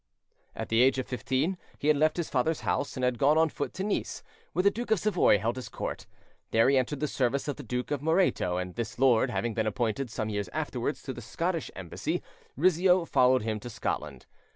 At the age of fifteen he had left his father's house and had gone on foot to Nice, where the Duke of Savoy held his court; there he entered the service of the Duke of Moreto, and this lord having been appointed, some years afterwards, to the Scottish embassy, Rizzio followed him to Scotland.